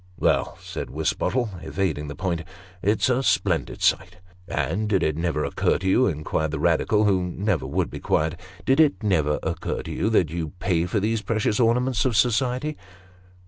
"Well," said Wisbottle, evading the point, "it's a splendid sight." " And did it never occur to you," inquired the Eadical, who never would be quiet ;" did it never occur to you, that you pay for these precious ornaments of society